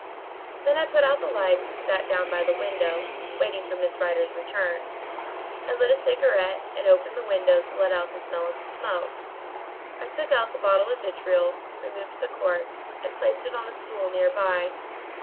"Then I put out the lights and sat down by the window, waiting for Miss Rider's return. I lit a cigarette, and opened the window to let out the smell of the smoke. I took out the bottle of vitriol, removed the cork and placed it on a stool near by.